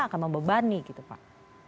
akan membebani gitu pak